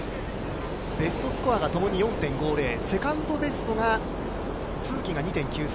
ベストスコアがともに４．５０、セカンドベストが都筑が２．９３。